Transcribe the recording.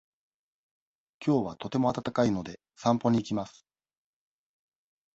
きょうはとても暖かいので、散歩に行きます。